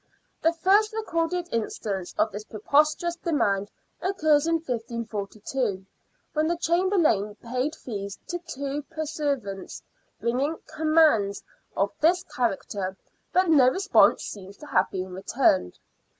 The first recorded instance of this preposterous demand occurs in 1542, when the Chamberlain paid fees to two pur suivants bringing " commands " of this character, but no response seems to have been returned.